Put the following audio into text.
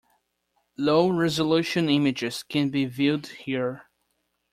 Low-resolution images can be viewed here.